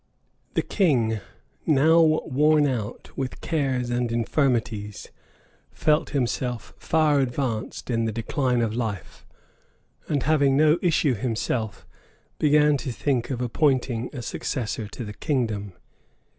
The king, now worn out with cares and infirmities, felt himself far advanced in the decline of life; and having no issue himself, began to think of appointing a successor to the kingdom.